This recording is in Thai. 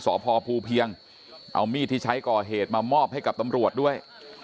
สพภูเพียงเอามีดที่ใช้ก่อเหตุมามอบให้กับตำรวจด้วย